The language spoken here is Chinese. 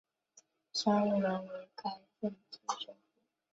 彬乌伦为该镇之首府。